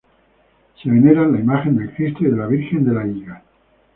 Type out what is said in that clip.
Se veneran la imagen del Cristo y la de la Virgen de la Higa.